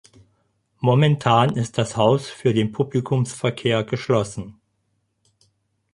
Momentan ist das Haus für den Publikumsverkehr geschlossen.